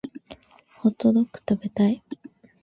ホットドック食べたい